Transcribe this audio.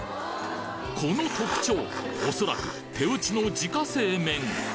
この特徴おそらく手打ちの自家製麺